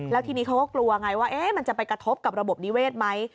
แล้วทีนี้เขาก็กลัวไงว่ามันจะไปกระทบกับระบบนิเวศไหม